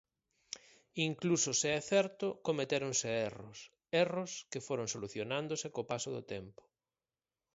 Incluso se é certo, cometéronse erros, erros que foron solucionándose co paso do tempo.